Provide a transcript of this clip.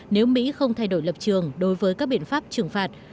nếu mỹ không thay đổi lập trường đối với các biện pháp trừng phạt